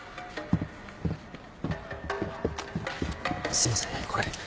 すいませんこれ。